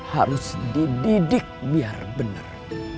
harus dididik biar benar